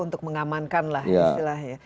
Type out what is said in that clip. untuk mengamankan lah ya istilahnya ya